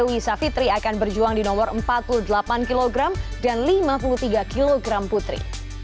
dwi savitri akan berjuang di nomor empat puluh delapan kg dan lima puluh tiga kg putri